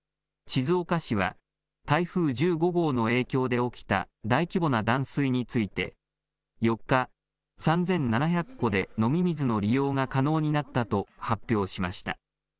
静岡市は、台風１５号の影響で起きた大規模な断水について、４日、３７００戸で飲み水の利用が可能になったと発表しました。